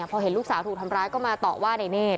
พอเห็นลูกสาวถูกทำร้ายก็มาต่อว่าในเนธ